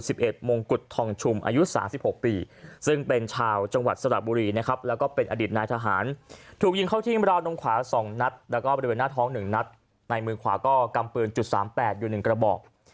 สิบเอ็ดมงกุฎทองชุมอายุ๓๖ปีซึ่งเป็นชาวจังหวัดสระบุรีนะครับแล้วก็เป็นอดิษฐ์นายทหารถูกยิงเข้าที่มราวตรงขวา๒นัทแล้วก็บริเวณหน้าท้อง๑นัทในมือขวาก็กำปืนจุด๓๘อยู่๑กระบอก